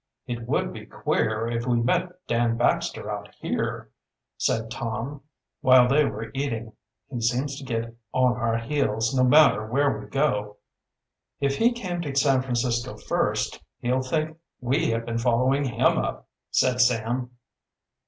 "It would be queer if we met Dan Baxter out here," said Tom, while they were eating. "He seems to get on our heels, no matter where we go. "If he came to San Francisco first, he'll think we have been following him up," said Sam.